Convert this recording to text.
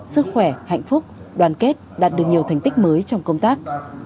sức khỏe hạnh phúc đoàn kết đạt được nhiều thành tích mới trong công tác